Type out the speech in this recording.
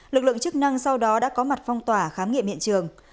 lực lượng chức năng sau đó đã có mặt phong tỏa khám nghiệm hiện trường